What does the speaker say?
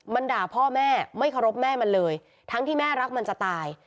มันด่าพ่อแม่ไม่เคารพแม่มันเลยทั้งที่แม่รักมันจะตาย